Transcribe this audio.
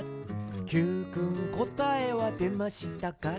「Ｑくんこたえはでましたか？」